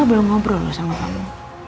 mbak belum ngobrol loh sama kamu